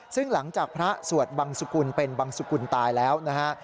ซึ่งหลังจากพระสวดบังสุกุลเป็นบังสุกุลตายแล้วนะฮะ